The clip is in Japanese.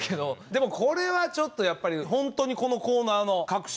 でもこれはちょっとやっぱりホントにこのコーナーの核心よホンネ。